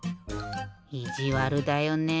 いじわるだよね。